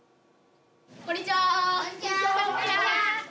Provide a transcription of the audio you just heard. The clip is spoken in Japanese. こんにちは。